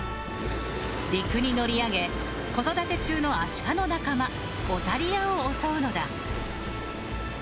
陸に乗り上げ子育て中のアシカの仲間オタリアを襲うのだ。